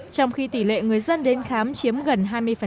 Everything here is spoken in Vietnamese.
trong khi tỷ lệ người dân đến khám chiếm gần hai mươi